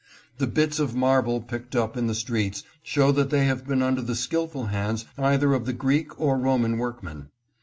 The bits of marble picked up in the streets show that they have been under the skillful hands either of the Greek or Roman workmen.